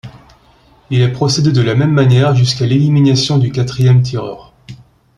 Il est procédé de la même manière jusqu'à l'élimination du quatrième tireur.